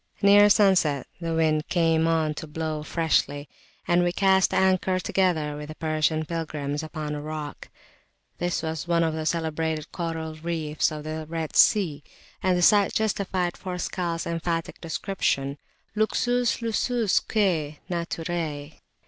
Near sunset the wind came on to blow freshly, and we cast anchor together with the Persian pilgrims upon a rock. This was one of the celebrated coral reefs of the Red Sea, and the sight justified Forskal's emphatic description luxus lususque naturae.